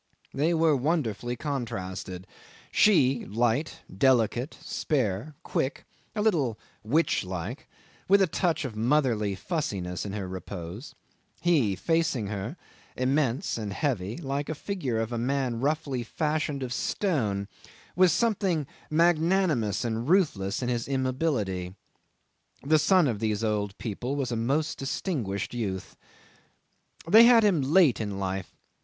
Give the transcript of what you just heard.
They were wonderfully contrasted: she, light, delicate, spare, quick, a little witch like, with a touch of motherly fussiness in her repose; he, facing her, immense and heavy, like a figure of a man roughly fashioned of stone, with something magnanimous and ruthless in his immobility. The son of these old people was a most distinguished youth. 'They had him late in life.